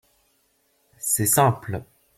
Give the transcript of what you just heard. C’est simple.